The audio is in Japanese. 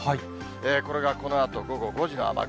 これがこのあと午後５時の雨雲。